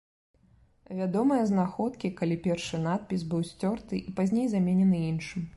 Вядомыя знаходкі, калі першы надпіс быў сцёрты і пазней заменены іншым.